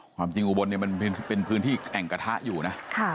ความจริงอุบลเนี่ยมันเป็นพื้นที่แอ่งกระทะอยู่นะ